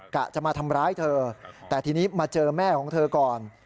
กะจะมาทำร้ายเธอแต่ทีนี้มาเจอแม่ของเธอก่อน